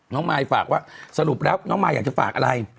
มายฝากว่าสรุปแล้วน้องมายอยากจะฝากอะไร